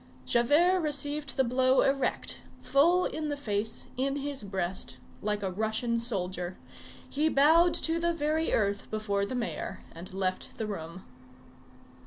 Javert received the blow erect, full in the face, in his breast, like a Russian soldier. He bowed to the very earth before the mayor and left the room.